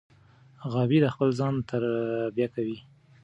غابي د خپل ځان تربیه کوي.